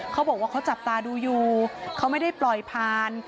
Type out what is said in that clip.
เขาบอกว่าเขาจับตาดูอยู่เขาไม่ได้ปล่อยผ่าน